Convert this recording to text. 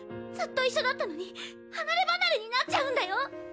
ずっと一緒だったのに離ればなれになっちゃうんだよ！